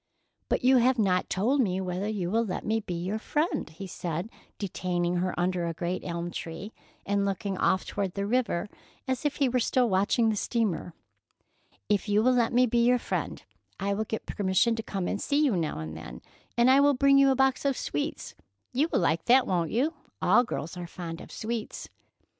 "But you have not told me whether you will let me be your friend," he said, detaining her under a great elm tree, and looking off toward the river, as if he were still watching the steamer. "If you will let me be your friend, I will get permission to come and see you now and then, and I will bring you a box of sweets. You will like that, won't you? All girls are fond of sweets."